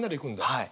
はい。